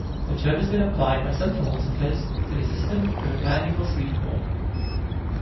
The term has been applied by some philosophers to the system of Emanuel Swedenborg.